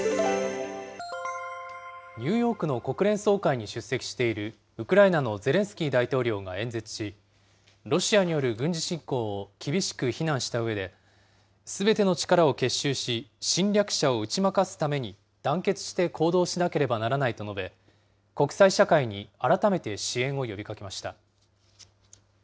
ニューヨークの国連総会に出席しているウクライナのゼレンスキー大統領が演説し、ロシアによる軍事侵攻を厳しく非難したうえで、すべての力を結集し、侵略者を打ち負かすために団結して行動しなければならないと述べ、国際社会に改めて支援を呼びかけました。